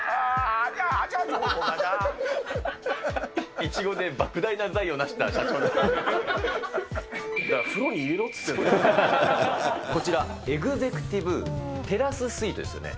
いちごでばく大な財を成しただから風呂に入れろつってんこちら、エグゼクティブテラススイートですよね。